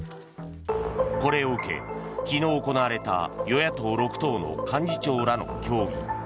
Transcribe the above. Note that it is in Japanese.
これを受け、昨日行われた与野党６党の幹事長らの協議。